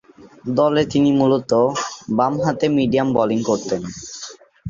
দলে তিনি মূলতঃ বামহাতে মিডিয়াম বোলিং করতেন।